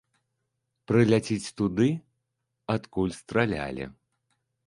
Прыляціць туды, адкуль стралялі.